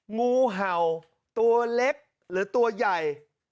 งูเห่าตัวเล็กหรือตัวใหญ่